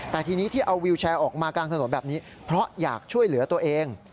แต่ทีนี้ที่เอาวิวแชร์ออกมากลางถนนแบบนี้เพราะอยากช่วยเหลือตัวเอง